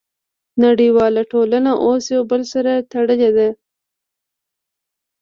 نړیواله ټولنه اوس یو بل سره تړلې ده